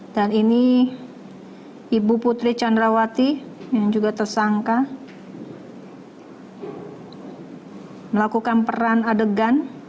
dan ini ibu putri candrawati yang juga tersangka melakukan peran adegan